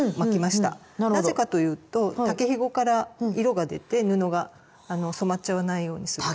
なぜかというと竹ひごから色が出て布が染まっちゃわないようにするために。